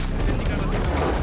tidak dia sudah kembali